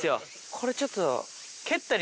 これちょっと。